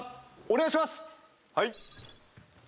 お願いします。